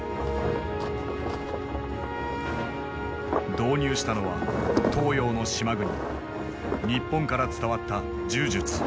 導入したのは東洋の島国日本から伝わった柔術。